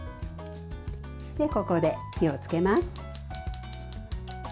ここで火をつけます。